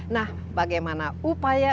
nah bagaimana upaya